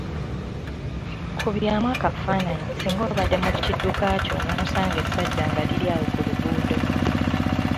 Kubyamu akafaananyi singa obadde mu kidduka kyo n‘osanga essajja nga liri awo ku luguudo.